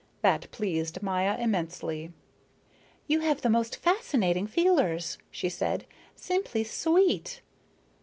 That pleased Maya immensely. "You have the most fascinating feelers," she said, "simply sweet...."